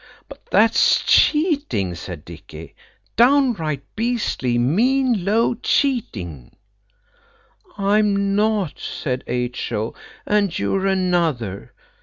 "That's cheating," said Dicky–"downright beastly, mean, low cheating." "I'm not," said H.O.; "and you're another."